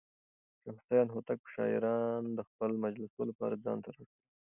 شاه حسين هوتک به شاعران د خپلو مجلسونو لپاره ځان ته راټولول.